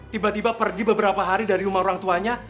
tiba tiba pergi beberapa hari dari rumah orang tuanya